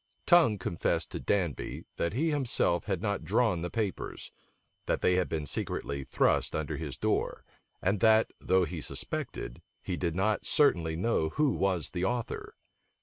Tongue confessed to Danby, that he himself had not drawn the papers; that they had been secretly thrust under his door; and that, though he suspected, he did not certainly know who was the author.